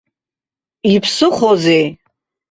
Иԥсыхәозеи?